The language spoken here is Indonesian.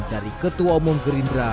dari ketua umum gerindra